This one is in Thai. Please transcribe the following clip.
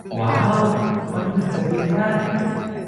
ว้าว มันเหมือนจะบินได้